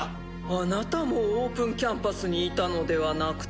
あなたもオープンキャンパスにいたのではなくて？